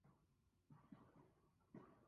اسی لئے ان کی سزا معطل ہونی چاہیے۔